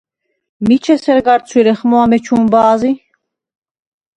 მიჩ ესერ გარ ცვირეხმო ამჩუნ ბა̄ზი?